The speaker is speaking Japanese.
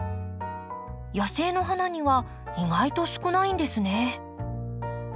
野生の花には意外と少ないんですね。